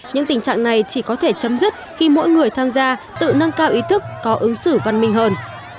những tình trạng này chỉ có thể chấm dứt khi mỗi người tham gia tự nâng cao ý thức có ứng xử văn minh hơn